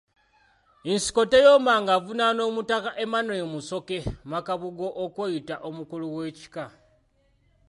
Nsikoteyomba ng'avunaana Omutaka Emmanuel Musoke Makabugo okweyita omukulu w'Ekika.